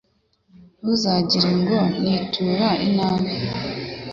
Ntuzavuge ngo «Nzitura inabi